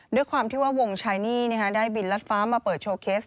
ด้วยความที่ว่าวงชายหนี้ได้บินรัดฟ้ามาเปิดโชว์เคส